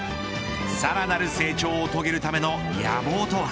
さらなる成長を遂げるための野望とは。